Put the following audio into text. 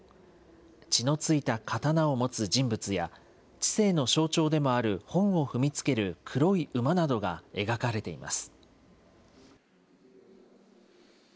血の付いた刀を持つ人物や、知性の象徴でもある本を踏みつける黒い馬などが描かれています。